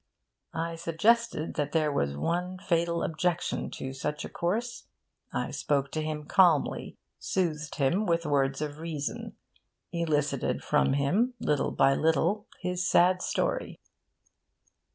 I suggested that there was one fatal objection to such a course. I spoke to him calmly, soothed him with words of reason, elicited from him, little by little, his sad story.